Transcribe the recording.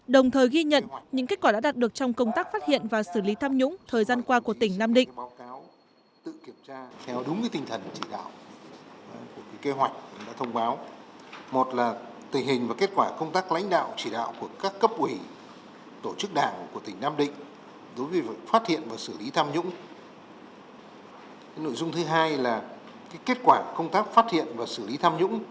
đồng thời ghi nhận những kết quả đã đạt được trong công tác phát hiện và xử lý tham nhũng thời gian qua của tỉnh nam định